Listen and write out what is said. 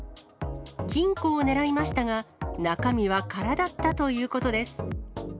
金庫を狙いましたが、中身は空だったということです。